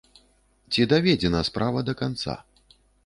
Ці даведзена справа да канца?